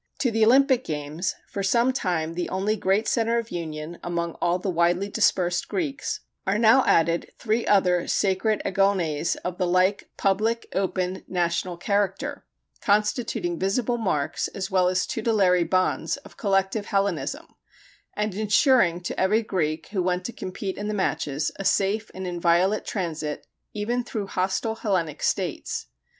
To the Olympic games, for some time the only great centre of union among all the widely dispersed Greeks, are now added three other sacred Agones of the like public, open, national character; constituting visible marks, as well as tutelary bonds, of collective Hellenism, and insuring to every Greek who went to compete in the matches, a safe and inviolate transit even through hostile Hellenic states.